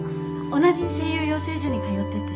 同じ声優養成所に通ってて。